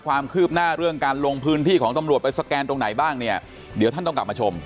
ความคืบหน้าเรื่องการลงพื้นที่ของตำรวจไปสแกนตรงไหนบ้างเนี่ยเดี๋ยวท่านต้องกลับมาชม